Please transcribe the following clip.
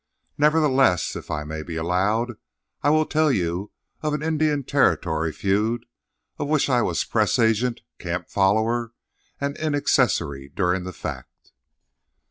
Nevertheless, if I may be allowed, I will tell you of an Indian Territory feud of which I was press agent, camp follower, and inaccessory during the fact.